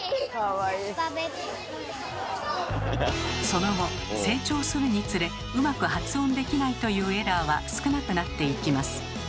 その後成長するにつれうまく発音できないというエラーは少なくなっていきます。